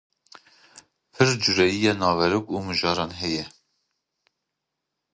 Pircûreyiya naverok û mijaran heye?